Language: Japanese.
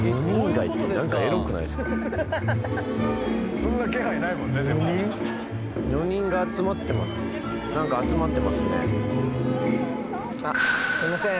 そんな気配ないもんねでもなんか集まってますねあっすいません